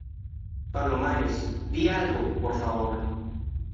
palomares, di algo , por favor.